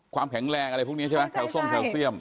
ความแข็งแรงแถวส้มแถวเสรียม